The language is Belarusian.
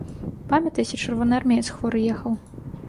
Памятаеце, чырвонаармеец хворы ехаў?